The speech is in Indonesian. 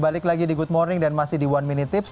balik lagi di good morning dan masih di one minute tips